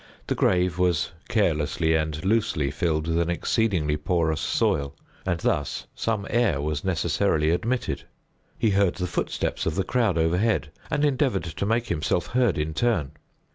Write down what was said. The grave was carelessly and loosely filled with an exceedingly porous soil; and thus some air was necessarily admitted. He heard the footsteps of the crowd overhead, and endeavored to make himself heard in turn.